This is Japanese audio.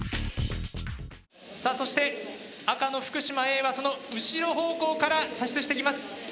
さあそして赤の福島Ａはその後ろ方向から射出していきます。